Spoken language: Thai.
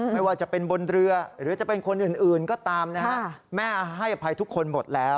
แม่ว่าจะเป็นบนเรือหรือจะเป็นคนอื่นก็ตาม